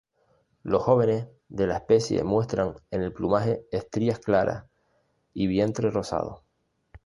Los jóvenes de la especie muestran en el plumaje estrías claras y vientre rosado.